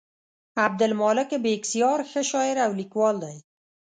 عبدالمالک بېکسیار ښه شاعر او لیکوال دی.